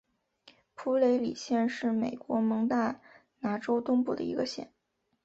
普雷里县是美国蒙大拿州东部的一个县。